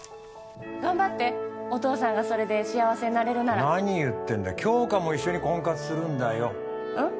頑張ってお父さんがそれで幸せになれるなら何言ってんだ杏花も一緒に婚活するんだようん？